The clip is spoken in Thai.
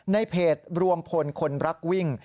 ในเพจรวมพลคนรักวิ่ง